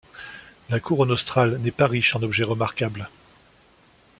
La Couronne australe n'est pas riche en objets remarquables.